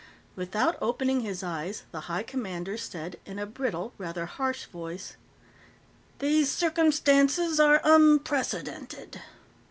Without opening his eyes, the High Commander said, in a brittle, rather harsh voice, "These circumstances are unprecedented."